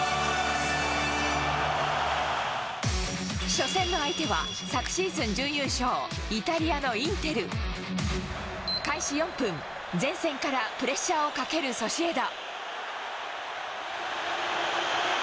初戦の相手は、昨シーズン準優勝、イタリアのインテル。開始４分、前線からプレッシャーをかけるソシエダ。